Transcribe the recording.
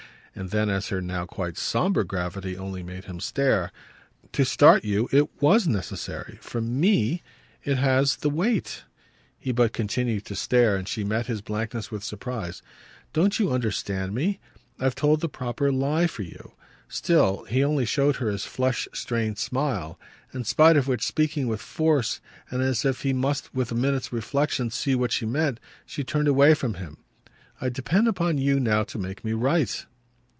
And then as her now quite sombre gravity only made him stare: "To start you it WAS necessary. From ME it has the weight." He but continued to stare, and she met his blankness with surprise. "Don't you understand me? I've told the proper lie for you." Still he only showed her his flushed strained smile; in spite of which, speaking with force and as if he must with a minute's reflexion see what she meant, she turned away from him. "I depend upon you now to make me right!"